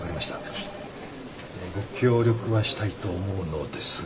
ご協力はしたいと思うのですが。